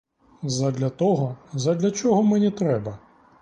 Задля того, задля чого мені треба.